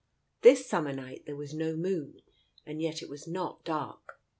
This summer night there was no moon, and yet it was not dark.